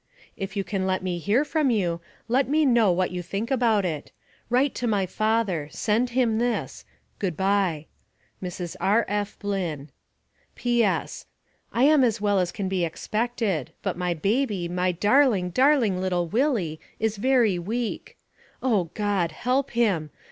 " If you can let me hear from you, let me know what you think about it. Write to my father. Send him this. Good by !" MRS. E. F. BLYNN. " P. S. I am as well as can be expected, but my baby, my darling, darling little Willie, is very weak. O, God ! help him